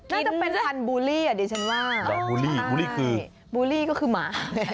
น่าจะเป็นพันธุ์บูลลี่อ่ะดิฉันว่าใช่บูลลี่ก็คือหมา